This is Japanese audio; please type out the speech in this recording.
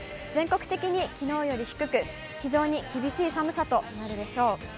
全国的にきのうより低く、非常に厳しい寒さとなるでしょう。